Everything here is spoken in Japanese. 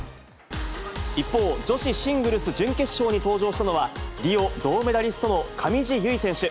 一方、女子シングルス準決勝に登場したのは、リオ銅メダリストの上地結衣選手。